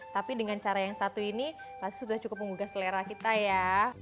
tapi dengan cara yang satu ini pasti sudah cukup menggugah selera kita ya